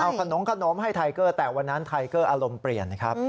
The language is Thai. เอาขนมขนมให้ไทเกอร์แต่วันนั้นไทเกอร์อารมณ์เปลี่ยนนะครับ